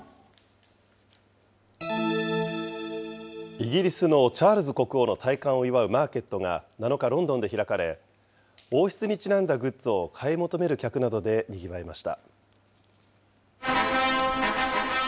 イギリスのチャールズ国王の戴冠を祝うマーケットが７日、ロンドンで開かれ、王室にちなんだグッズを買い求める客などでにぎわいました。